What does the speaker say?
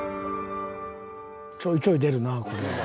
ちょいちょい出るなあこれ。